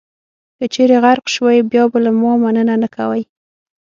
که چېرې غرق شوئ، بیا به له ما مننه نه کوئ.